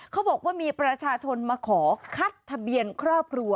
เขาบอกว่ามีประชาชนมาขอคัดทะเบียนครอบครัว